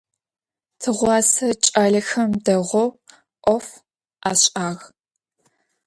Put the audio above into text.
Tığuase ç'alexem değou 'of aş'ağ.